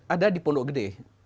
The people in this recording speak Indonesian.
ada di pondok gede